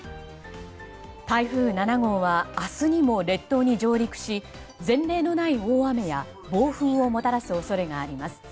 台風７号は明日にも列島に上陸し前例のない大雨や暴風をもたらす恐れがあります。